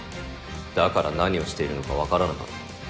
だから何をしているのかわからなかった。